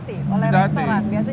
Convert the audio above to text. itu ditaati oleh restoran